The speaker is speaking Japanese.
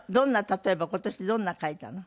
例えば今年どんなの書いたの？